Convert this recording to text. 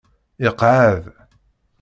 Iqeεεed.